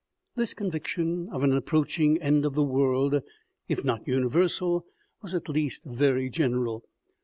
This conviction of an approaching end of the world, if not universal, was at least very general.